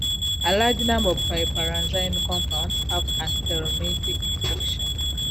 A large number of piperazine compounds have anthelmintic action.